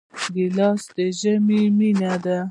ګیلاس د ژمي مینه ده.